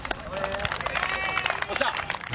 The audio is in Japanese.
よっしゃ！